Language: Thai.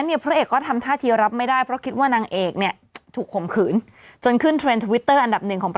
มีแนวโน้มที่จะดูรายการไปเรื่อยแล้วก็ซื้อของ